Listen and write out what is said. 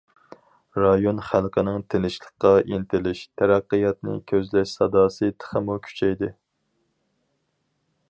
رايون خەلقىنىڭ تىنچلىققا ئىنتىلىش، تەرەققىياتنى كۆزلەش ساداسى تېخىمۇ كۈچەيدى.